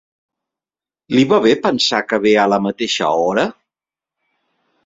Li va bé pensar que ve a la mateixa hora?